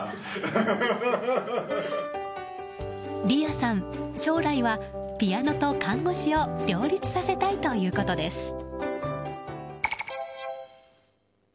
莉愛さん、将来はピアノと看護師を両立させたいということです。